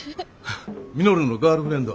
稔のガールフレンド。